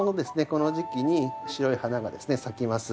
この時期に白い花がですね咲きます。